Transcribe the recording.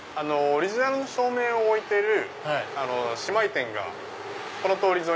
オリジナルだけを置いてる？